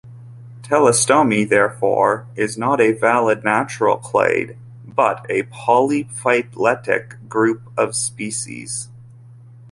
Teleostomi, therefore, is not a valid, natural clade, but a polyphyletic group of species.